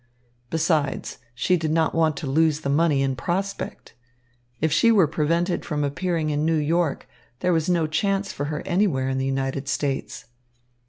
Besides, she did not want to lose the money in prospect. If she were prevented from appearing in New York, there was no chance for her anywhere in the United States.